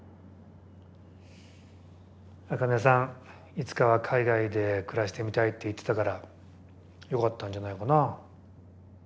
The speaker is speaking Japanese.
いつかは海外で暮らしてみたいって言ってたからよかったんじゃないかなぁ。